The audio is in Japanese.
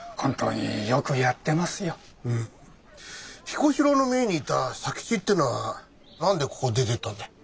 彦四郎の前にいた佐吉ってのは何でここを出てったんだ？